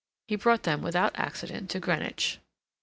He brought them without accident to Greenwich.